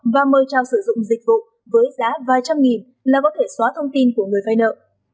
và mời trào sử dụng dịch vụ với giá vài trăm nghìn là có thể xóa thông tin của người vay nợ